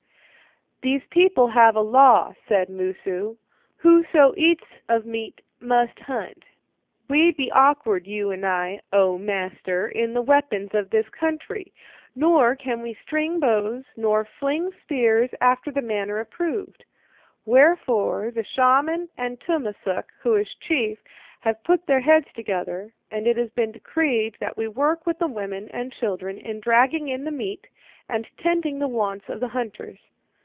"'These people have a law,' said Mosu: 'whoso eats of meat must hunt. We be awkward, you and I, O master, in the weapons of this country; nor can we string bows nor fling spears after the manner approved. Wherefore the shaman and Tummasook, who is chief, have put their heads together, and it has been decreed that we work with the women and children in dragging in the meat and tending the wants of the hunters.'